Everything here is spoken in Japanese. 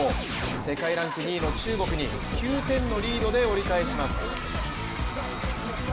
世界ランク２位の中国に９点のリードで折り返します。